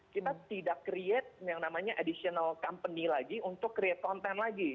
kita tidak create yang namanya additional company lagi untuk create content lagi